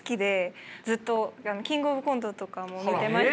ずっと「キングオブコント」とかも見てましたし。